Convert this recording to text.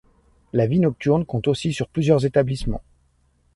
La vie nocturne compte aussi sur plusieurs établissements.